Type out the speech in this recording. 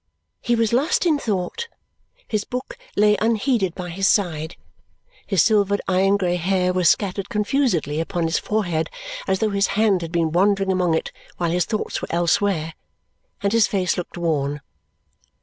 He was lost in thought, his book lay unheeded by his side, his silvered iron grey hair was scattered confusedly upon his forehead as though his hand had been wandering among it while his thoughts were elsewhere, and his face looked worn.